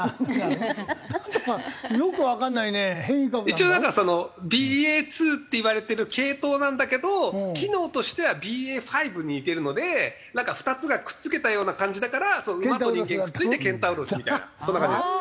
一応だからそのＢＡ．２っていわれてる系統なんだけど機能としてはＢＡ．５に似てるのでなんか２つがくっつけたような感じだから馬と人間がくっついてケンタウロスみたいなそんな感じです。